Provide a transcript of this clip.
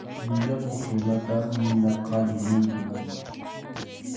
Llullakuq runata nina qallu ninkum.